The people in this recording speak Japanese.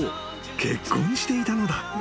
結婚していたのだ］